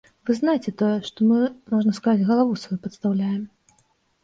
Вы знайце тое, што мы, можна сказаць, галаву сваю падстаўляем.